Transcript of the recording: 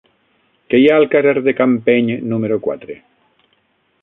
Què hi ha al carrer de Campeny número quatre?